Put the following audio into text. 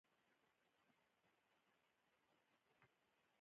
تجره لرم، په بنګ کې ملنګي ده